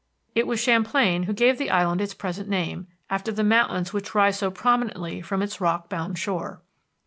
It was Champlain who gave the island its present name, after the mountains which rise so prominently from its rock bound shore.